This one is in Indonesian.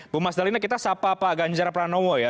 bu mas dalina kita sapa pak ganjar pranowo ya